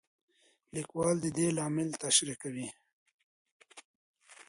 لیکوال د دې لامل تشریح کوي.